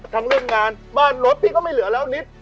เรื่องงานบ้านรถพี่ก็ไม่เหลือแล้วนิด